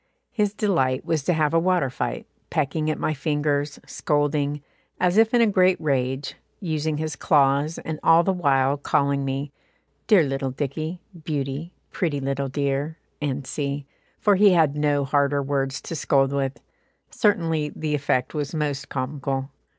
His delight was to have a water fight, pecking at my fingers, scolding, as if in a great rage, using his claws, and all the while calling me "Dear little Dicky; beauty; pretty little dear," &c., for he had no harder words to scold with; certainly the effect was most comical.